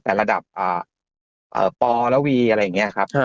แต่ระดับอ่าอ่าปอแล้ววีอะไรอย่างเงี้ยครับอืม